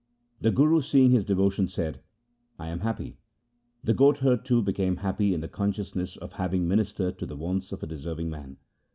The Guru seeing his devotion, said, ' I am happy.' The goatherd, too, became happy in the consciousness of having ministered to the Wants of a deserving man.